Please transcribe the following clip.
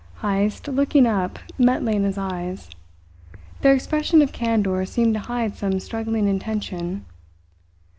Heyst, looking up, met Lena's eyes. Their expression of candour seemed to hide some struggling intention.